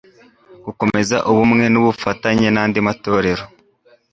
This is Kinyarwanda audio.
gukomeza ubumwe n ubufatanye nandi matorero